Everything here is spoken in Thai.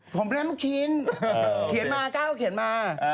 ผมไม่รักลูกชิ้นเขียนมาก้าวเขียนมา